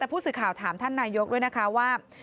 แต่ผู้สื่อข่าวถามท่านนายกด้วยนะคะว่า